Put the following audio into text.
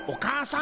ん？